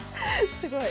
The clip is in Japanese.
すごい。